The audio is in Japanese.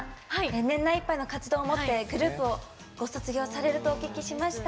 年内いっぱいの活動をもってグループをご卒業されるとお聞きしました。